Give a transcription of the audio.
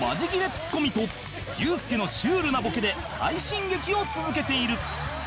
ツッコミとユースケのシュールなボケで快進撃を続けている